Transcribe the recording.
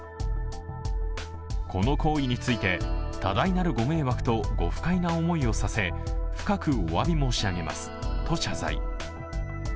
この行為について、多大なるご迷惑とご不快な思いをさせ深くお詫び申し上げますと謝罪。